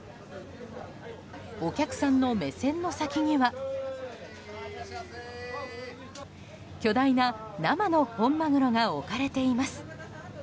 お客さんの目線の先には巨大な生の本マグロが置かれています。